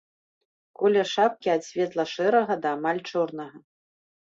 Колер шапкі ад светла-шэрага да амаль чорнага.